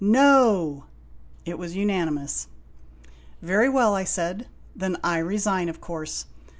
" No !" It was unanimous. "Very well," I said. "Then I resign, of course.